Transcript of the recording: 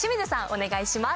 お願いします。